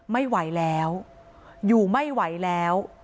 ไม่ไหวแล้วอยู่ไม่ไหวแล้ว